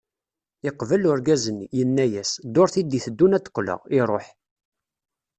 Yeqbel urgaz-nni, yenna-as, ddurt i d-iteddun ad d-qqleɣ, iruḥ.